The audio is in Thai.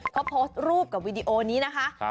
เขาโพสต์รูปกับวีดีโอนี้นะคะ